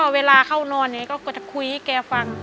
เวลาเขานอนก็จะคุยเห็นให้แกฟัง